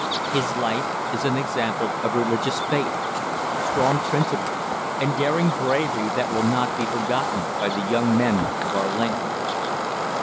His life is an example of religious faith, strong principle, and daring bravery that will not be forgotten by the young men of our land.